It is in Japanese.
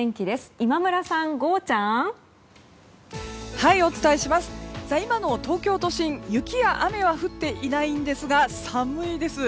今の東京都心雪や雨は降っていませんが寒いです。